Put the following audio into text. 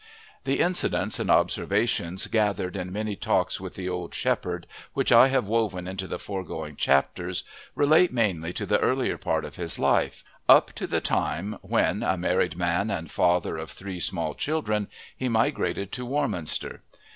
The incidents and observations gathered in many talks with the old shepherd, which I have woven into the foregoing chapters, relate mainly to the earlier part of his life, up to the time when, a married man and father of three small children, he migrated to Warminster.